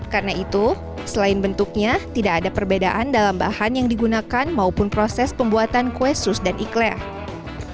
karena itu selain bentuknya tidak ada perbedaan dalam bahan yang digunakan maupun proses pembuatan kue sus dan ikhlaq